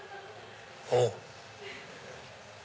おっ！